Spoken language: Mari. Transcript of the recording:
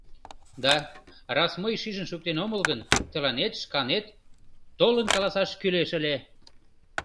Да, раз мый шижын шуктен омыл гын, тыланет шканет толын каласаш кӱлеш ыле.